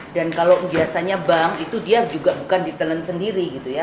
dan kalau biasanya bank itu dia juga bukan ditelen sendiri gitu ya